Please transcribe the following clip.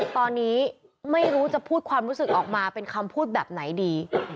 ตอนนี้ไม่รู้จะพูดความรู้สึกออกมาเป็นคำพูดแบบไหนดี